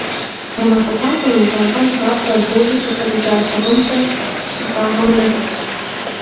Гъэмахуэ хуабэм умыпщӏэнтӏэн папщӏэ, бозым къыхэщӏыкӏа щыгъынхэр щыптӏагъэмэ, нэхъыфӏщ.